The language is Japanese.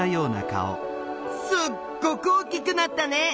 すっごく大きくなったね！